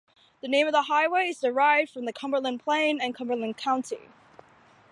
The name of the highway is derived from the Cumberland Plain and Cumberland County.